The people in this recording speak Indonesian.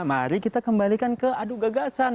mari kita kembalikan ke adu gagasan